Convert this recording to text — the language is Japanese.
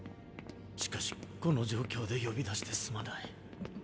しかしこの状況で呼び出してすまない。